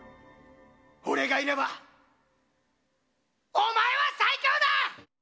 俺がいればお前は最強だ！